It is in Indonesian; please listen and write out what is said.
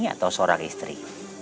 atau seorang istri